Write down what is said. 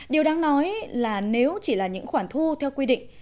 điều đáng nói là nếu chỉ là những khoản thu theo quy định